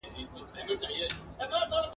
نسیم دي هر سبا راوړلای نوی نوی زېری ..